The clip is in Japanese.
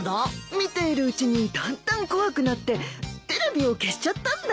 見ているうちにだんだん怖くなってテレビを消しちゃったんだ。